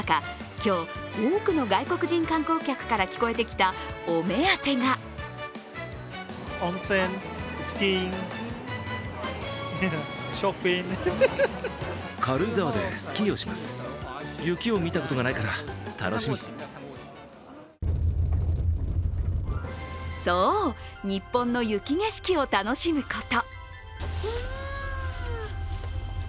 今日多くの外国人観光客から聞こえてきたお目当てがそう、日本の雪景色を楽しむこと。